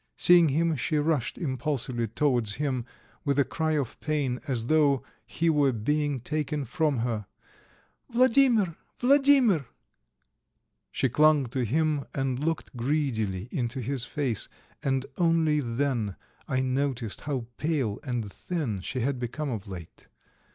Seeing him, she rushed impulsively towards him with a cry of pain as though he were being taken from her. "Vladimir! Vladimir!" She clung to him and looked greedily into his face, and only then I noticed how pale and thin she had become of late.